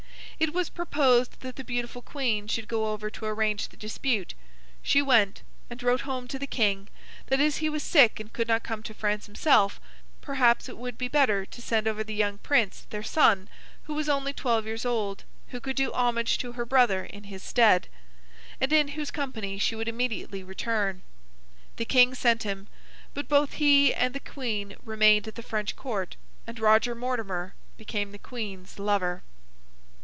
It was proposed that the beautiful Queen should go over to arrange the dispute; she went, and wrote home to the King, that as he was sick and could not come to France himself, perhaps it would be better to send over the young Prince, their son, who was only twelve years old, who could do homage to her brother in his stead, and in whose company she would immediately return. The King sent him: but, both he and the Queen remained at the French Court, and Roger Mortimer became the Queen's lover.